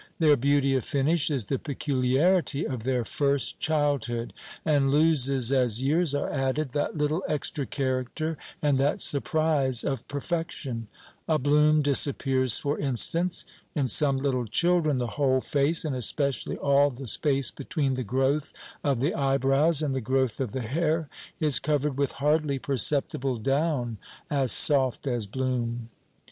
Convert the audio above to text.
Their beauty of finish is the peculiarity of their first childhood, and loses, as years are added, that little extra character and that surprise of perfection. A bloom disappears, for instance. In some little children the whole face, and especially all the space between the growth of the eyebrows and the growth of the hair, is covered with hardly perceptible down as soft as bloom.